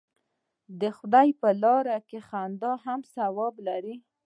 د خدای په لاره کې خندا هم ثواب لري.